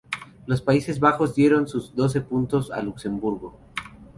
Los Países Bajos dieron sus doce puntos a Luxemburgo.